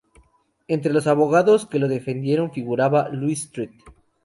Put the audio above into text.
Entre los abogados que lo defendieron, figuraba Louis St.